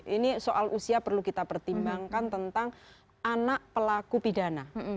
ini soal usia perlu kita pertimbangkan tentang anak pelaku pidana